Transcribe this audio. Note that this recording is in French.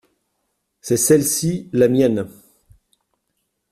C’est celle-ci la mienne.